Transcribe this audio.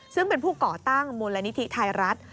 ซึ่งเป็นผู้ก่อตั้งมูลนิธิไทยรัฐ